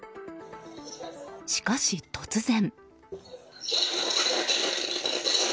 しかし、突然。